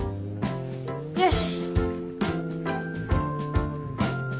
よし！